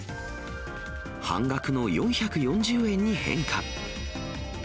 半額の４４０円に変化。